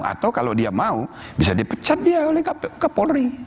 atau kalau dia mau bisa dipecat dia oleh kapolri